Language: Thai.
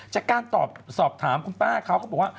จากการสอบถามคุณป้าเขาก็บอกว่า